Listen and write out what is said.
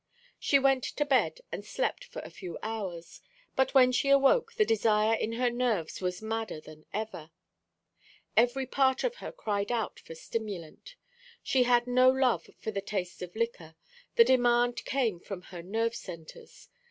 She went to bed and slept for a few hours; but when she awoke the desire in her nerves was madder than ever. Every part of her cried out for stimulant. She had no love for the taste of liquor; the demand came from her nerve centres.